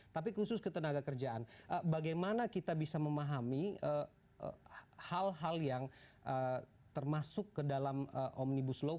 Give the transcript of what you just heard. tapi khusus ketenaga kerjaan bagaimana kita bisa memahami hal hal yang termasuk ke dalam omnibus law